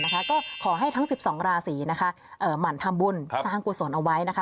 ก็ขอให้ทั้ง๑๒ราศีนะคะหมั่นทำบุญสร้างกุศลเอาไว้นะคะ